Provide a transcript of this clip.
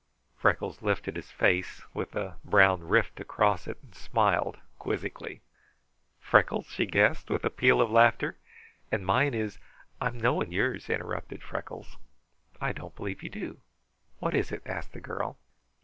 Freckles lifted his face with the brown rift across it and smiled quizzically. "Freckles?" she guessed, with a peal of laughter. "And mine is " "I'm knowing yours," interrupted Freckles. "I don't believe you do. What is it?" asked the girl.